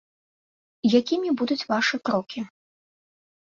Якімі будуць вашы крокі?